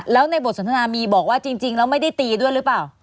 แล้วในบทสนทนามีบอกว่าจริงแล้วไม่ได้ตีด้วยหรือเปล่า